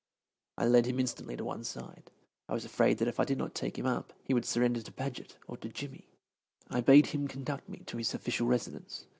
I led him instantly to one side. I was afraid that if I did not take him up he would surrender to Paget or to Jimmy. I bade him conduct me to his official residence.